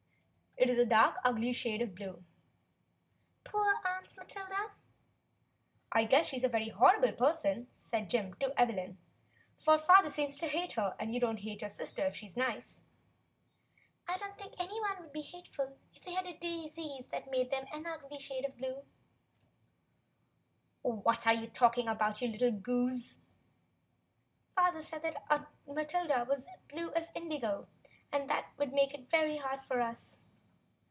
"It is a dark, ugly shade of blue." "Poor Aunt Matilda!" said Evelyn. "I guess she's a perfectly horrid person," said Jim, "for father seems to hate her, and you don't hate your sister if she's nice." "I should think anybody would be hateful if they had a disease that made them an ugly shade of blue," said Evelyn. "What are you talking about, you little goose?" "Father said Aunt Matilda was as blue as indigo, and that it would make it very hard for us."